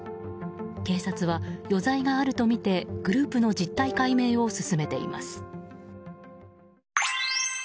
警察は、余罪があるとみてグループの実態解明を進めています。